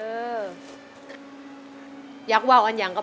อเรนนี่อยากวาวอันยังกะพ่อ